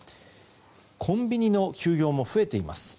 コンビニの休業も増えています。